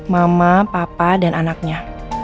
mama papa dan anaknya